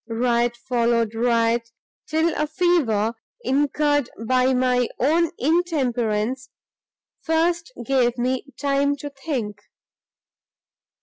Riot succeeded riot, till a fever, incurred by my own intemperance, first gave me time to think.